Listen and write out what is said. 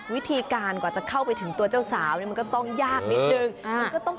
วิธีการกว่าจะเข้าไปถึงตัวเจ้าสาวเนี่ยมันก็ต้องยากนิดนึง